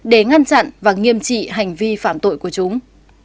để ngăn chặn và nghiêm trị hành vi phạm tội của chúng